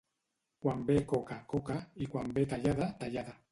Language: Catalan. Quan ve coca, coca, i quan ve tallada, tallada.